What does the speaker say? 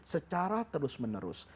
secara terus menerus